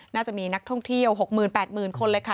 น่าจะมีนักท่องเที่ยว๖หมื่น๘หมื่นคนเลยค่ะ